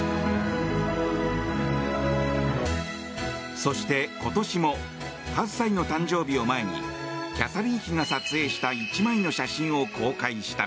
そして、今年も８歳の誕生日を前にキャサリン妃が撮影した１枚の写真を公開した。